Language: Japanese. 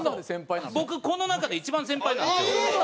僕この中で一番先輩なんですよ。